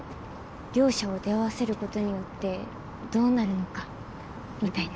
両者を出会わせることによってどうなるのかみたいな。